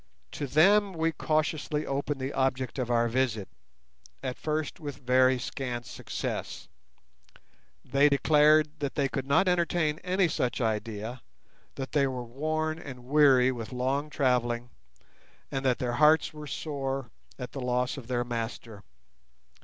To them we cautiously opened the object of our visit, at first with very scant success. They declared that they could not entertain any such idea, that they were worn and weary with long travelling, and that their hearts were sore at the loss of their master.